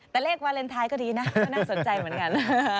แต่เลขวาเลนไทยก็ดีนะก็น่าสนใจเหมือนกัน